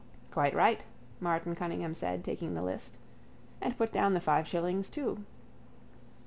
—Quite right, Martin Cunningham said, taking the list. And put down the five shillings too.